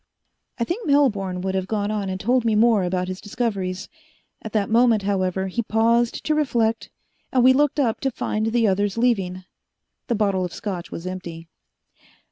I think Melbourne would have gone on and told me more about his discoveries. At that moment, however, he paused to reflect, and we looked up to find the others leaving. The bottle of Scotch was empty.